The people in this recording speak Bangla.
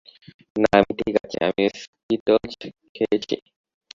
না, আমি ঠিক আছি, আমি স্কিটলস খেয়েছি।